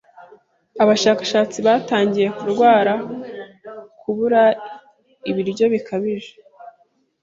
Abashakashatsi batangiye kurwara kubura ibiryo bikabije.